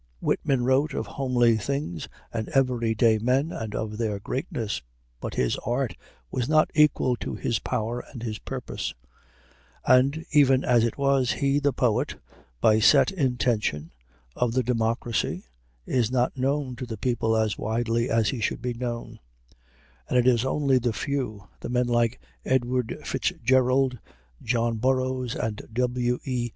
Whitman wrote of homely things and every day men, and of their greatness, but his art was not equal to his power and his purpose; and, even as it was, he, the poet, by set intention, of the democracy, is not known to the people as widely as he should be known; and it is only the few the men like Edward FitzGerald, John Burroughs, and W. E.